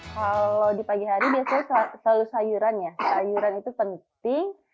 kalau di pagi hari biasanya selalu sayuran ya sayuran itu penting